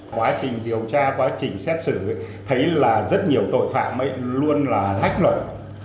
quá trình điều tra quá trình xét xử thấy là rất nhiều tội phạm luôn là hách luật